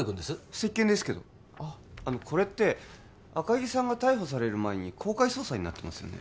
接見ですけどあのこれって赤木さんが逮捕される前に公開捜査になってますよね？